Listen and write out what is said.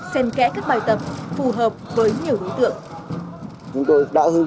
sen kẽ các bài tập phù hợp với nhiều đối tượng